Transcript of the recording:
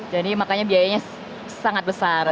jadi makanya biayanya sangat besar